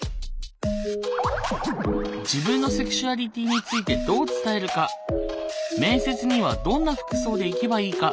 自分のセクシュアリティーについてどう伝えるか面接にはどんな服装で行けばいいか